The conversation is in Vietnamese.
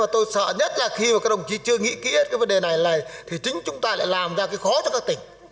tôi sợ nhất là khi các đồng chí chưa nghĩ kỹ hết cái vấn đề này này thì chính chúng ta lại làm ra cái khó cho các tỉnh